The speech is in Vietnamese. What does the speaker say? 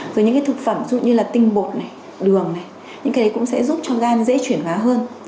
rồi những thực phẩm dụ như là tinh bột đường những cái đấy cũng sẽ giúp cho gan dễ chuyển hóa hơn